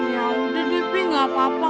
ya udah dipi nggak apa apa